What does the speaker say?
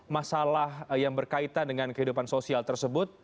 masalah yang berkaitan dengan kehidupan sosial tersebut